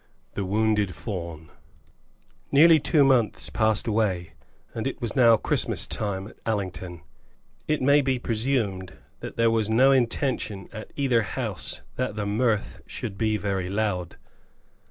THE WOUNDED FAWN. [ILLUSTRATION: (untitled)] Nearly two months passed away, and it was now Christmas time at Allington. It may be presumed that there was no intention at either house that the mirth should be very loud.